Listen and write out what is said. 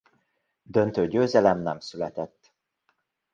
Döntő győzelem nem született.